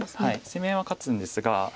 攻め合いは勝つんですが。